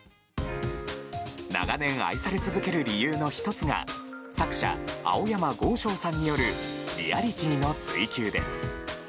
長年、愛され続ける理由の１つが作者・青山剛昌さんによるリアリティーの追求です。